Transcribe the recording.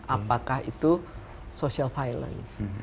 apakah itu social violence